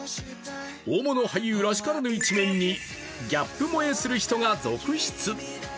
大物俳優らしからぬ一面にギャップ萌えする人が続出。